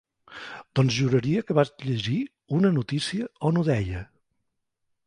Doncs juraria que vaig llegir una notícia on ho deia.